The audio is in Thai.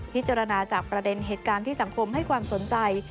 จากประเด็นเหตุการณ์ที่สังคมให้ความสนใจ